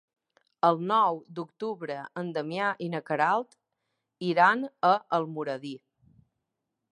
El nou d'octubre en Damià i na Queralt iran a Almoradí.